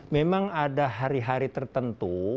memang ada hari hari tertentu